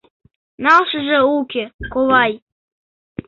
Налшыже уке, ковай.